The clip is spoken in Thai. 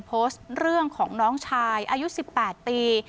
โพสต์เรื่องของน้องชายอายุ๑๘ปี